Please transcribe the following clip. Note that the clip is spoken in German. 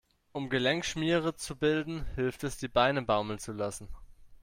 Um Gelenkschmiere zu bilden, hilft es, die Beine baumeln zu lassen.